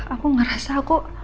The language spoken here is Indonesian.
aku ngerasa aku